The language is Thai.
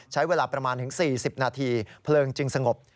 ใช้เวลาประมาณถึง๔๐นาทีเพลิงจึงสงบ